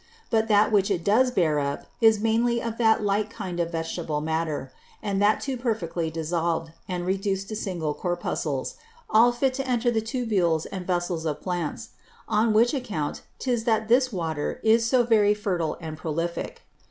But that which it does bear up, is mainly of that light kind of Vegetable Matter; and that too perfectly dissolved, and reduced to single Corpuscles, all fit to enter the Tubules and Vessels of Plants: On which Account 'tis, that this Water is so very fertile and prolifick.